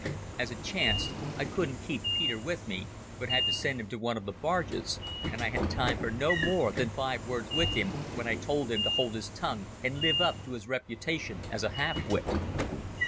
As it chanced, I couldn't keep Peter with me, but had to send him to one of the barges, and I had time for no more than five words with him, when I told him to hold his tongue and live up to his reputation as a half wit.